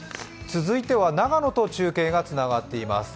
続いては長野と中継がつながっています。